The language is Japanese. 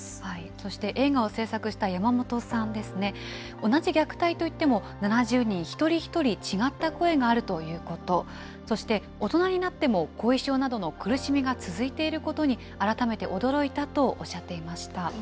そして、映画を制作した山本さんは、同じ虐待といっても、７０人、一人一人違った声があるということ、そして大人になっても後遺症などの苦しみが続いていることに、改めて驚いたとおっしゃっていました。